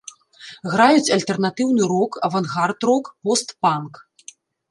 Граюць альтэрнатыўны рок, авангард-рок, пост-панк.